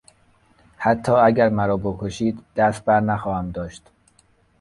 حتی اگر مرا بکشید دست بر نخواهم داشت.